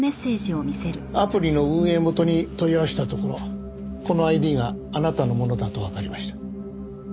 アプリの運営元に問い合わせたところこのＩＤがあなたのものだとわかりました。